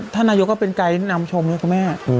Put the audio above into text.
ถ้านายุก็เป็นใกล้นำชม